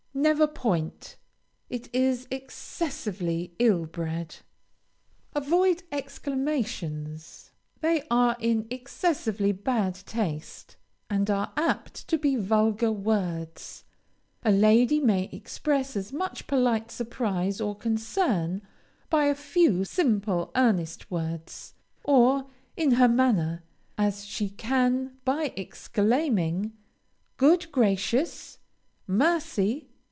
Never point. It is excessively ill bred. Avoid exclamations; they are in excessively bad taste, and are apt to be vulgar words. A lady may express as much polite surprise or concern by a few simple, earnest words, or in her manner, as she can by exclaiming "Good gracious!" "Mercy!"